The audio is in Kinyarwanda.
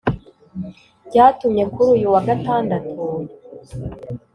Byatumye kuri uyu wa Gatandatu